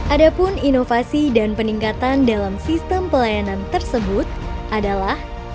ada pun inovasi dan peningkatan dalam sistem pelayanan tersebut adalah